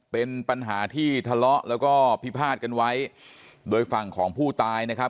เป็นปัญหาที่ทะเลาะแล้วก็พิพาทกันไว้โดยฝั่งของผู้ตายนะครับ